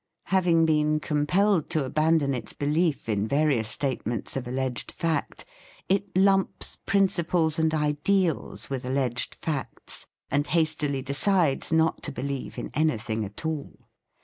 Having been compelled to abandon its belief in various statements of alleged fact, it lumps principles and ideals with alleged facts, and hastily decides not to believe in anything at all.